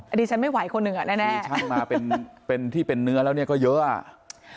อันนี้ฉันไม่ไหวคนหนึ่งอ่ะแน่ใช่มาเป็นเป็นที่เป็นเนื้อแล้วเนี่ยก็เยอะอ่ะ